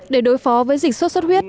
để đối phó với dịch xuất xuất huyết